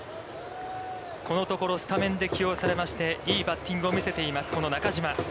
このところスタメンで起用されまして、いいバッティングを見せています、この中島。